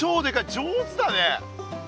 上手だね！